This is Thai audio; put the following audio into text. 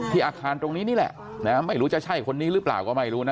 อาคารตรงนี้นี่แหละไม่รู้จะใช่คนนี้หรือเปล่าก็ไม่รู้นะ